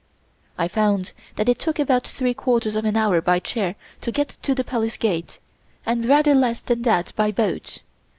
I found that it took about three quarters of an hour by chair to get to the Palace Gate, and rather less than that by boat.